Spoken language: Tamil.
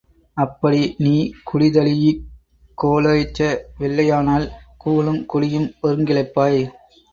அப்படி நீ குடிதழீஇக் கோலோச்ச வில்லையானால், கூழும் குடியும் ஒருங்கிழப்பாய்!